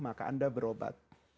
maka anda berobat